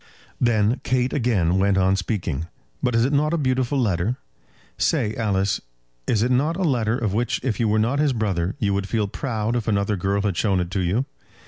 Then Kate again went on speaking. "But is it not a beautiful letter? Say, Alice, is it not a letter of which if you were his brother you would feel proud if another girl had shown it to you?